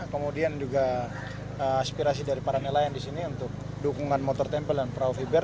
kemudian juga aspirasi dari para nelayan di sini untuk dukungan motor tempel dan perahu fiber